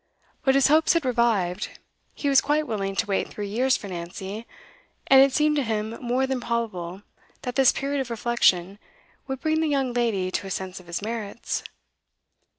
But his hopes had revived; he was quite willing to wait three years for Nancy, and it seemed to him more than probable that this period of reflection would bring the young lady to a sense of his merits.